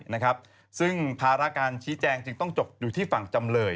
ขณะตอนอยู่ในสารนั้นไม่ได้พูดคุยกับครูปรีชาเลย